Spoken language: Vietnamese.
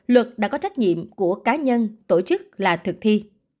luật đã có trách nhiệm của cá nhân tổ chức là thực thi